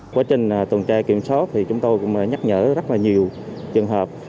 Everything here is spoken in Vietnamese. quá trình tuần tra kiểm soát thì chúng tôi cũng nhắc nhở rất là nhiều trường hợp